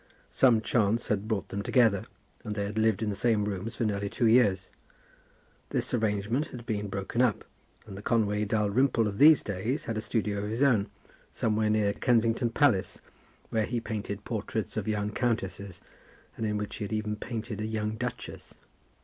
Some chance had brought them together, and they had lived in the same rooms for nearly two years. This arrangement had been broken up, and the Conway Dalrymple of these days had a studio of his own, somewhere near Kensington Palace, where he painted portraits of young countesses, and in which he had even painted a young duchess.